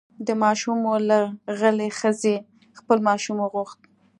د ماشوم مور له غلې ښځې خپل ماشوم وغوښت.